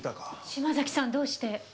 島崎さんどうして？